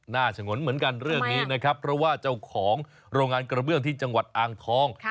ฉงนเหมือนกันเรื่องนี้นะครับเพราะว่าเจ้าของโรงงานกระเบื้องที่จังหวัดอ่างทอง